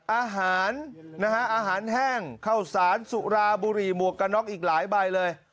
อาหารนะฮะอาหารแห้งข้าวสารสุราบุหรี่หมวกกระน็อกอีกหลายใบเลย